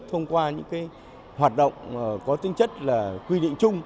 thông qua những hoạt động có tinh chất là quy định chung